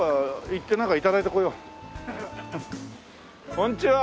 こんにちは。